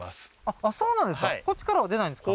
あっそうなんですか？